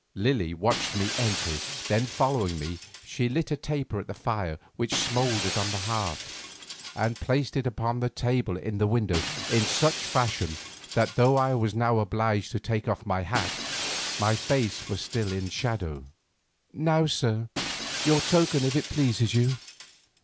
Lily watched me enter, then following me, she lit a taper at the fire which smouldered on the hearth, and placed it upon the table in the window in such fashion that though I was now obliged to take off my hat, my face was still in shadow. "Now, sir, your token if it pleases you."